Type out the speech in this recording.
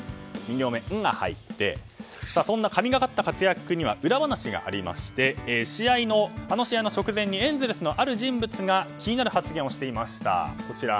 ２行目、「ン」が入ってそんな神がかった活躍には裏話がありまして、試合後ある人物が気になる発言をしていました。